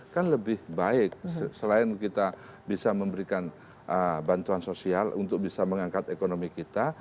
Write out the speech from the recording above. kan lebih baik selain kita bisa memberikan bantuan sosial untuk bisa mengangkat ekonomi kita